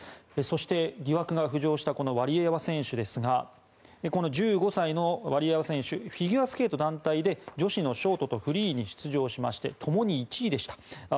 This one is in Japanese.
そして、疑惑が浮上したワリエワ選手ですが１５歳のワリエワ選手フィギュアスケート団体で女子のショートとフリーに出場しまして共に１位でした。